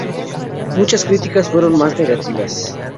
Muchas críticas fueron más negativas.